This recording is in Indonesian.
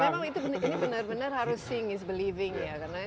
ya memang ini benar benar harus seeing is believing ya